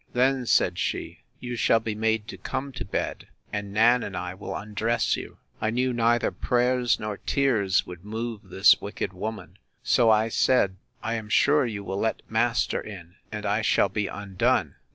—Then, said she, you shall be made to come to bed; and Nan and I will undress you. I knew neither prayers nor tears would move this wicked woman: So I said, I am sure you will let master in, and I shall be undone!